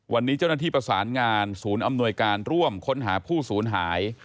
วันนี้เจ้าหน้าที่ประสานงานศูนย์อำนวยการร่วมค้นหาผู้สูญหาย